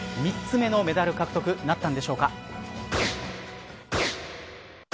３つ目のメダル獲得なったんでしょうか。